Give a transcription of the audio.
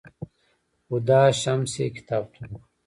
هُدا شمس یې کتابتون و